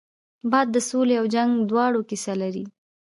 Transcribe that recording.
باد د سولې او جنګ دواړو کیسه لري